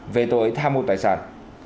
về tội tham mưu tài sản